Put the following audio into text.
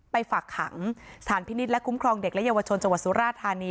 ฝากขังสารพินิษฐ์และคุ้มครองเด็กและเยาวชนจังหวัดสุราธานี